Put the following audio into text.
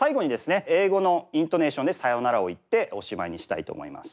英語のイントネーションで「さようなら」を言っておしまいにしたいと思います。